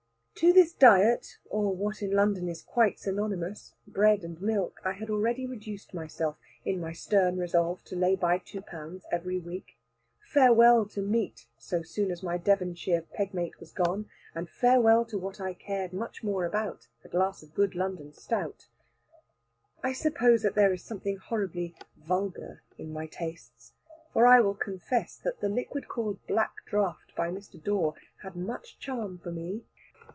To this diet, or what in London is quite synonymous, bread and milk, I had already reduced myself, in my stern resolve to lay by two pounds every week. Farewell to meat, so soon as my Devonshire "pegmate" was gone, and farewell to what I cared much more about, a glass of good London stout. I suppose there is something horribly "vulgar" in my tastes, for I will confess that the liquid called "black draught" by Mr. Dawe had much charm for me.